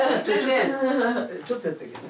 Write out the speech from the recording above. ちょっとやったけんな。